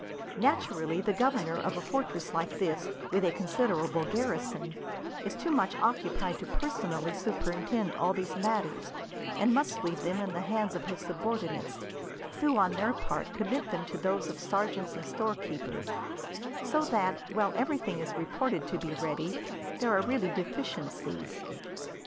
Naturally, the governor of a fortress like this, with a considerable garrison, is too much occupied to personally superintend all these matters, and must leave them in the hands of his subordinates, who on their part commit them to those of sergeants and storekeepers; so that, while everything is reported to be ready, there are really deficiencies.